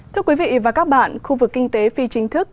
thưa quý vị và các bạn khu vực kinh tế phi chính thức